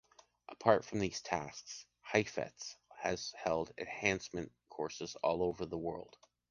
Apart from these tasks, Heifetz has held enhancement courses all over the world.